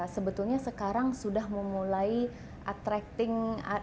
sebetulnya sekarang sudah memulai attracting